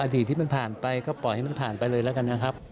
อดีตที่มันผ่านไปก็ปล่อยให้มันผ่านไปเลยแล้วกันนะครับ